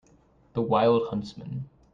The wild huntsman.